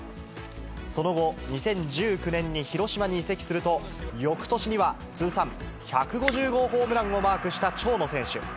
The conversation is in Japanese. その後、２０１９年に広島に移籍すると、よくとしには通算１５０号ホームランをマークした長野選手。